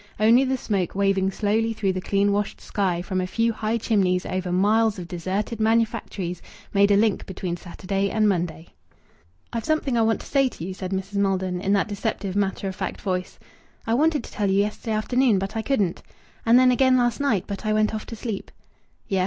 Only the smoke waving slowly through the clean washed sky from a few high chimneys over miles of deserted manufactories made a link between Saturday and Monday. "I've something I want to say to you," said Mrs. Maldon, in that deceptive matter of fact voice. "I wanted to tell you yesterday afternoon, but I couldn't. And then again last night, but I went off to sleep." "Yes?"